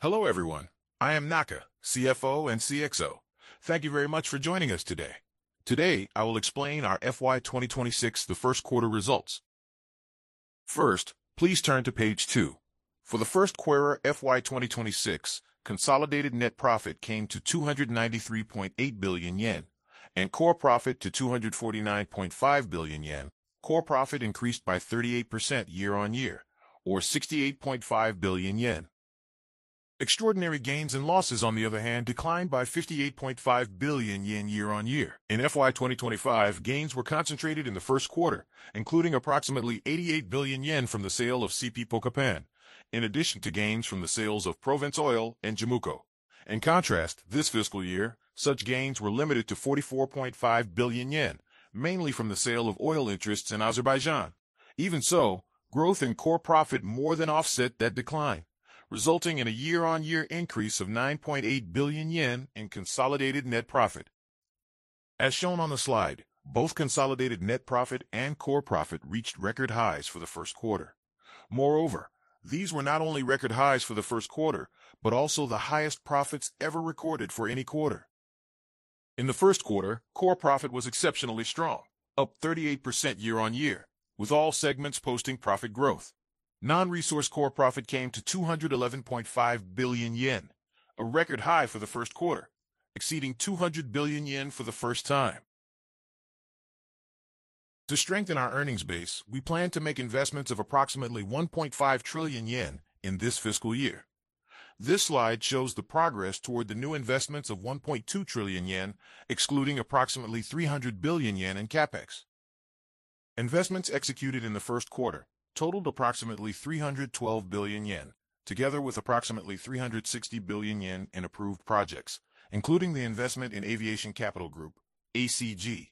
Hello everyone. I am Naka, CFO and CXO. Thank you very much for joining us today. Today, I will explain our FY2026, the first quarter results. First, please turn to page two. For the first quarter FY2026, consolidated net profit came to 293.8 billion yen, and core profit to 249.5 billion yen. Core profit increased by 38% year-on-year, or 68.5 billion yen. Extraordinary gains and losses, on the other hand, declined by 58.5 billion yen year-on-year. In FY2025, gains were concentrated in the first quarter, including approximately 88 billion yen from the sale of C.P. Pokphand, in addition to gains from the sales of Provence Huiles and JMUCO. In contrast, this fiscal year, such gains were limited to 44.5 billion yen, mainly from the sale of oil interests in Azerbaijan. Even so, growth and core profit more than offset that decline, resulting in a year-on-year increase of 9.8 billion yen in consolidated net profit. As shown on the slide, both consolidated net profit and core profit reached record highs for the first quarter. Moreover, these were not only record highs for the first quarter, but also the highest profits ever recorded for any quarter. In the first quarter, core profit was exceptionally strong, up 38% year-on-year, with all segments posting profit growth. Non-resource core profit came to 211.5 billion yen, a record high for the first quarter, exceeding 200 billion yen for the first time. To strengthen our earnings base, we plan to make investments of approximately 1.5 trillion yen in this fiscal year. This slide shows the progress toward the new investments of 1.2 trillion yen, excluding approximately 300 billion yen in CapEx. Investments executed in the first quarter totaled approximately 312 billion yen, together with approximately 360 billion yen in approved projects, including the investment in Aviation Capital Group, ACG.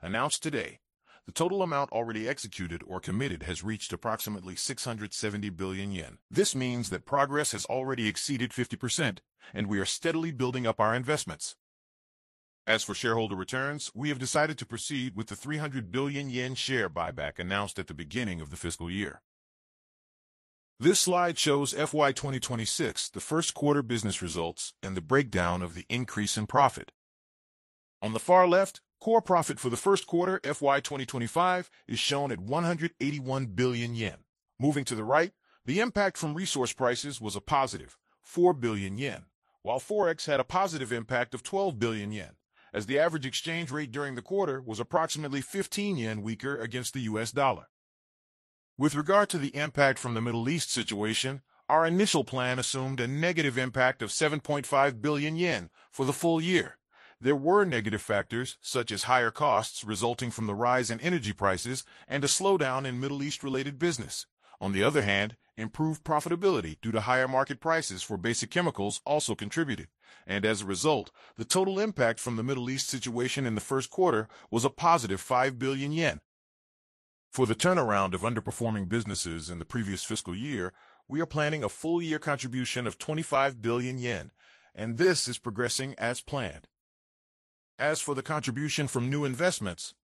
Announced today, the total amount already executed or committed has reached approximately 670 billion yen. This means that progress has already exceeded 50% and we are steadily building up our investments. As for shareholder returns, we have decided to proceed with the 300 billion yen share buyback announced at the beginning of the fiscal year. This slide shows FY2026, the first quarter business results, and the breakdown of the increase in profit. On the far left, core profit for the first quarter FY2025 is shown at 181 billion yen. Moving to the right, the impact from resource prices was a positive 4 billion yen, while Forex had a positive impact of 12 billion yen, as the average exchange rate during the quarter was approximately 15 yen weaker against the US dollar. With regard to the impact from the Middle East situation, our initial plan assumed a negative impact of 7.5 billion yen for the full year. There were negative factors such as higher costs resulting from the rise in energy prices and a slowdown in Middle East-related business. On the other hand, improved profitability due to higher market prices for basic chemicals also contributed, and as a result, the total impact from the Middle East situation in the first quarter was a positive 5 billion yen. For the turnaround of underperforming businesses in the previous fiscal year, we are planning a full-year contribution of 25 billion yen, and this is progressing as planned. As for the contribution from new investments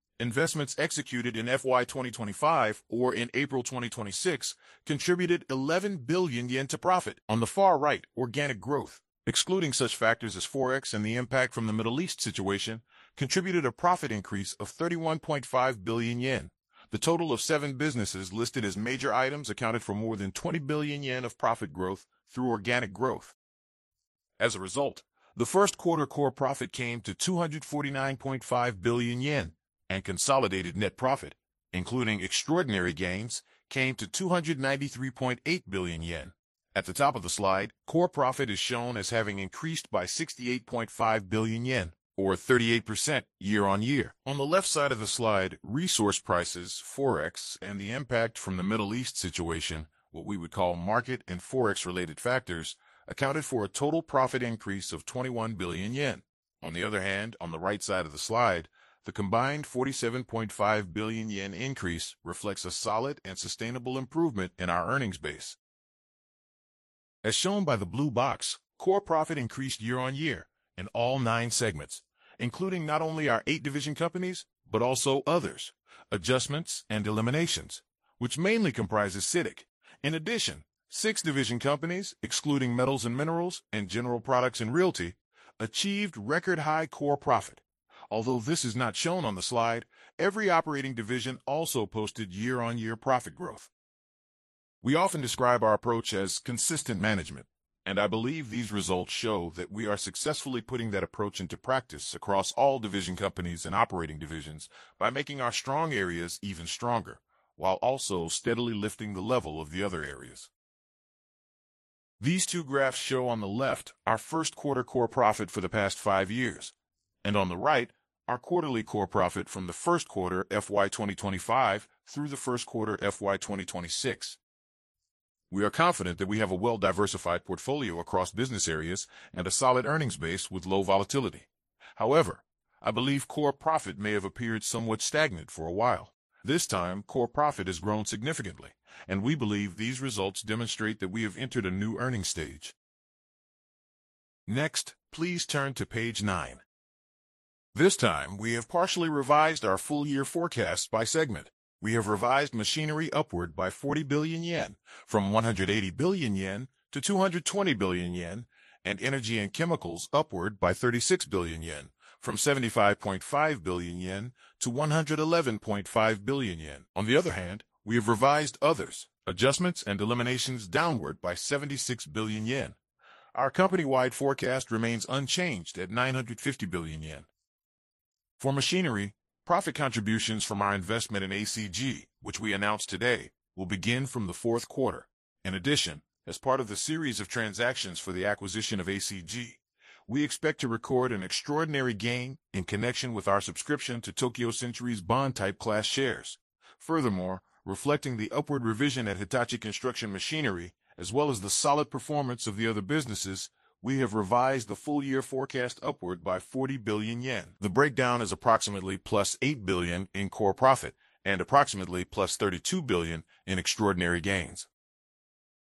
executed in FY2025 or in April 2026 contributed 11 billion yen to profit. On the far right, organic growth, excluding such factors as Forex and the impact from the Middle East situation, contributed a profit increase of 31.5 billion yen. The total of seven businesses listed as major items accounted for more than 20 billion yen of profit growth through organic growth. As a result, the first quarter core profit came to 249.5 billion yen, and consolidated net profit, including extraordinary gains, came to 293.8 billion yen. At the top of the slide, core profit is shown as having increased by 68.5 billion yen, or 38% year-on-year. On the left side of the slide, resource prices, Forex, and the impact from the Middle East situation, what we would call market and Forex-related factors, accounted for a total profit increase of 21 billion yen. On the other hand, on the right side of the slide, the combined 47.5 billion yen increase reflects a solid and sustainable improvement in our earnings base. As shown by the blue box, core profit increased year-on-year in all nine segments, including not only our eight division companies but also Others, adjustments and eliminations, which mainly comprises CITIC. In addition, six division companies, excluding Metals & Minerals and General Products & Realty, achieved record-high core profit. Although this is not shown on the slide, every operating division also posted year-on-year profit growth. We often describe our approach as consistent management, and I believe these results show that we are successfully putting that approach into practice across all division companies and operating divisions by making our strong areas even stronger, while also steadily lifting the level of the other areas. These two graphs show on the left our first quarter core profit for the past five years and on the right, our quarterly core profit from the first quarter FY 2025 through the first quarter FY 2026. We are confident that we have a well-diversified portfolio across business areas and a solid earnings base with low volatility. However, I believe core profit may have appeared somewhat stagnant for a while. This time, core profit has grown significantly, and we believe these results demonstrate that we have entered a new earnings stage. Next, please turn to page nine. This time, we have partially revised our full-year forecast by segment. We have revised Machinery upward by 40 billion yen, from 180 billion yen to 220 billion yen, and Energy & Chemicals upward by 36 billion yen, from 75.5 billion yen to 111.5 billion yen. On the other hand, we have revised Others downward by 76 billion yen. Our company-wide forecast remains unchanged at 950 billion yen. For Machinery, profit contributions from our investment in ACG, which we announced today, will begin from the fourth quarter. In addition, as part of the series of transactions for the acquisition of ACG, we expect to record an extraordinary gain in connection with our subscription to Tokyo Century's bond-type class shares. Furthermore, reflecting the upward revision at Hitachi Construction Machinery, as well as the solid performance of the other businesses, we have revised the full-year forecast upward by 40 billion yen. The breakdown is approximately plus 8 billion in core profit and approximately plus 32 billion in extraordinary gains.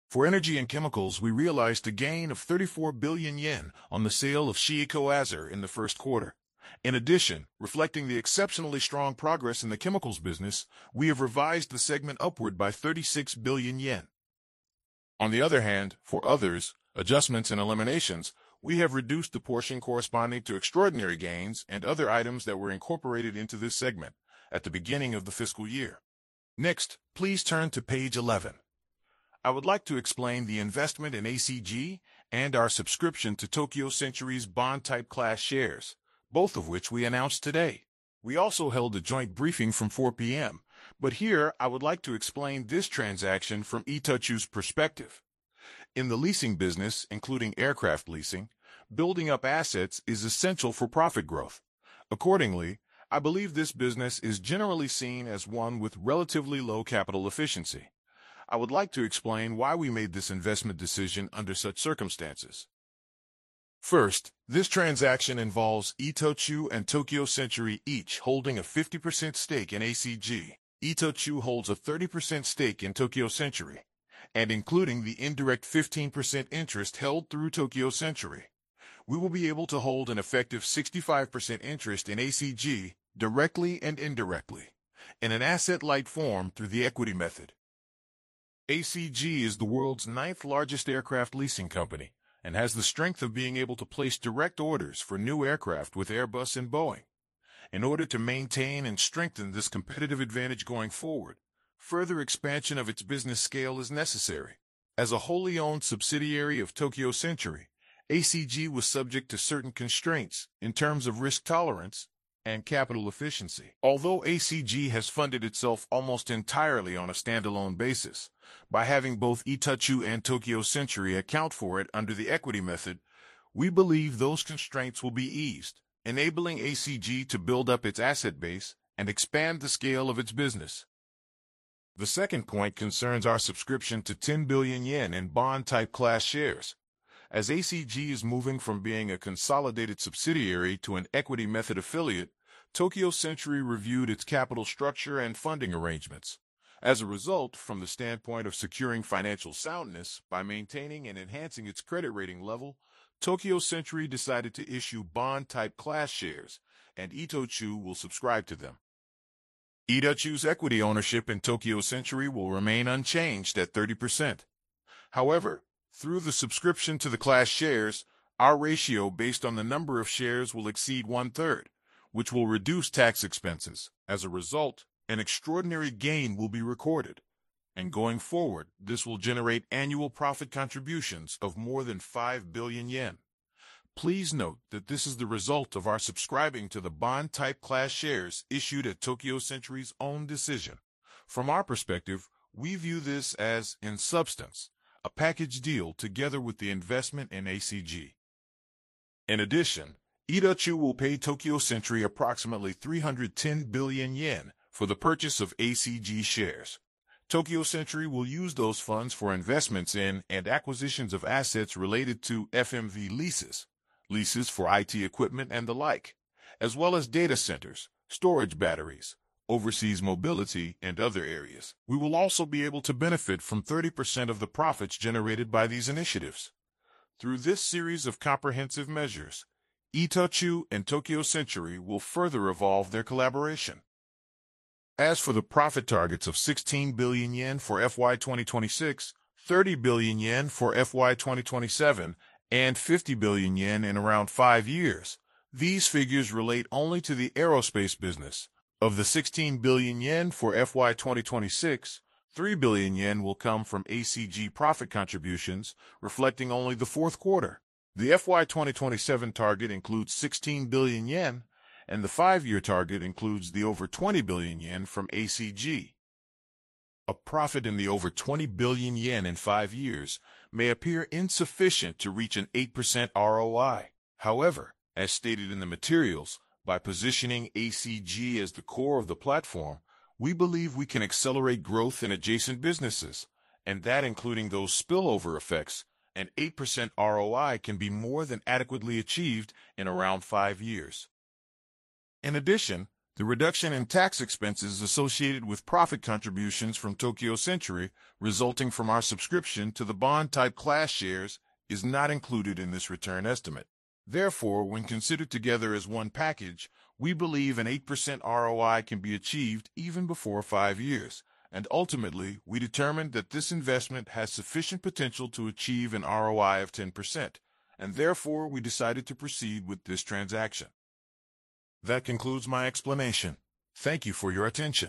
For Energy & Chemicals, we realized a gain of 34 billion yen on the sale of CIECO Azer in the first quarter. In addition, reflecting the exceptionally strong progress in the Chemicals business, we have revised the segment upward by 36 billion yen. On the other hand, for Others, we have reduced the portion corresponding to extraordinary gains and other items that were incorporated into this segment at the beginning of the fiscal year. Next, please turn to page 11. I would like to explain the investment in ACG and our subscription to Tokyo Century's bond-type class shares, both of which we announced today. We also held a joint briefing from 4:00 P.M., but here I would like to explain this transaction from ITOCHU's perspective. In the leasing business, including aircraft leasing, building up assets is essential for profit growth. Accordingly, I believe this business is generally seen as one with relatively low capital efficiency. I would like to explain why we made this investment decision under such circumstances. First, this transaction involves ITOCHU and Tokyo Century each holding a 50% stake in ACG. ITOCHU holds a 30% stake in Tokyo Century, and including the indirect 15% interest held through Tokyo Century, we will be able to hold an effective 65% interest in ACG, directly and indirectly, in an asset-light form through the equity method. ACG is the world's ninth-largest aircraft leasing company and has the strength of being able to place direct orders for new aircraft with Airbus and Boeing. In order to maintain and strengthen this competitive advantage going forward, further expansion of its business scale is necessary. As a wholly owned subsidiary of Tokyo Century, ACG was subject to certain constraints in terms of risk tolerance and capital efficiency. Although ACG has funded itself almost entirely on a standalone basis, by having both ITOCHU and Tokyo Century account for it under the equity method, we believe those constraints will be eased, enabling ACG to build up its asset base and expand the scale of its business. The second point concerns our subscription to 10 billion yen in bond-type class shares. As ACG is moving from being a consolidated subsidiary to an equity-method affiliate, Tokyo Century reviewed its capital structure and funding arrangements. As a result, from the standpoint of securing financial soundness by maintaining and enhancing its credit rating level, Tokyo Century decided to issue bond-type class shares, and ITOCHU will subscribe to them. ITOCHU's equity ownership in Tokyo Century will remain unchanged at 30%. However, through the subscription to the class shares, our ratio based on the number of shares will exceed one-third, which will reduce tax expenses. As a result, an extraordinary gain will be recorded, and going forward, this will generate annual profit contributions of more than 5 billion yen. Please note that this is the result of our subscribing to the bond-type class shares issued at Tokyo Century's own decision. From our perspective, we view this as, in substance, a package deal together with the investment in ACG. In addition, ITOCHU will pay Tokyo Century approximately 310 billion yen for the purchase of ACG shares. Tokyo Century will use those funds for investments in and acquisitions of assets related to FMV leases for IT equipment and the like, as well as data centers, storage batteries, overseas mobility, and other areas. We will also be able to benefit from 30% of the profits generated by these initiatives. Through this series of comprehensive measures, ITOCHU and Tokyo Century will further evolve their collaboration. As for the profit targets of 16 billion yen for FY 2026, 30 billion yen for FY 2027, and 50 billion yen in around five years, these figures relate only to the Aerospace business. Of the 16 billion yen for FY 2026, 3 billion yen will come from ACG profit contributions, reflecting only the fourth quarter. The FY 2027 target includes 16 billion yen, and the five-year target includes the over 20 billion yen from ACG. A profit in the over 20 billion yen in five years may appear insufficient to reach an 8% ROI. However, as stated in the materials, by positioning ACG as the core of the platform, we believe we can accelerate growth in adjacent businesses, and that including those spillover effects, an 8% ROI can be more than adequately achieved in around five years. The reduction in tax expenses associated with profit contributions from Tokyo Century resulting from our subscription to the bond-type class shares is not included in this return estimate. When considered together as one package, we believe an 8% ROI can be achieved even before five years, and ultimately, we determined that this investment has sufficient potential to achieve an ROI of 10%, and therefore we decided to proceed with this transaction. That concludes my explanation. Thank you for your attention.